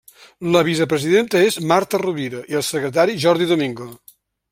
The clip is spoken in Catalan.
La vicepresidenta és Marta Rovira i el secretari Jordi Domingo.